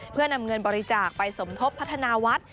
เพื่อนำเงินบริจาคไปสมทบพัฒนาวัด